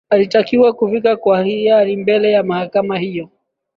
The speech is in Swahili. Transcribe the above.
atakiwa kufika kwa hiari mbele ya mahakama hiyo